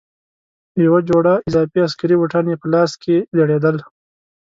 یوه جوړه اضافي عسکري بوټان یې په لاس کې ځړېدل.